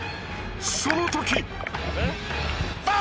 その時！